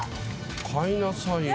買いなさいよ。